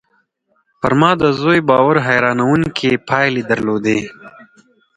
پر ما د زوی باور حيرانوونکې پايلې درلودې